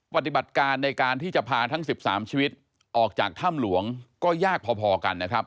ปฏิบัติการในการที่จะพาทั้ง๑๓ชีวิตออกจากถ้ำหลวงก็ยากพอกันนะครับ